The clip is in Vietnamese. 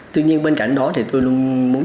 tuy nhiên bên cạnh đó thì tôi luôn muốn